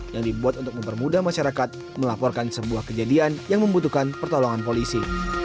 yang dibuat untuk mempermudah masyarakat melaporkan sebuah kejadian yang membutuhkan pertolongan polisi